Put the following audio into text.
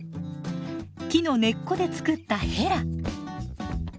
木の根っこで作ったヘラ。